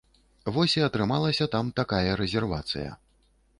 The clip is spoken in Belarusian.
Вось і атрымалася там такая рэзервацыя.